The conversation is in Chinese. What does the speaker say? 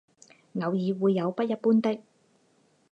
偶尔会有不一般的。